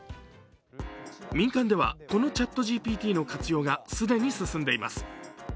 民間ではこのＣｈａｔＧＰＴの活用が既に進んでいます。